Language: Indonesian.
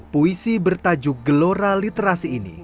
puisi bertajuk gelora literasi ini